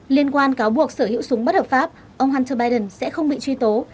liên quan cáo buộc sở hữu súng bất hợp pháp ông hunter biden sẽ không bị truy tố